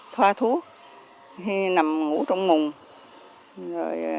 thoa thuốc nằm ngủ trong mùng